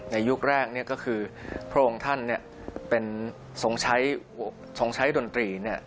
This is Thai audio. ยุคแรกก็คือพระองค์ท่านเป็นทรงใช้ดนตรี